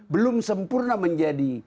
belum sempurna menjadi